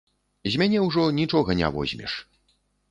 З мяне ўжо нічога не возьмеш.